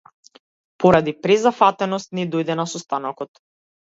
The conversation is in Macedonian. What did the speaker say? Поради презафатеност не дојде на состанокот.